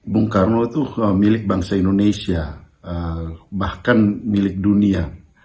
bung karno itu milik bangsa indonesia bahkan milik dunia